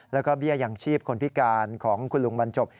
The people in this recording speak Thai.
แล้วก็เบี้ยอย่างชีพคนพิการของคุณลุงบรรจบ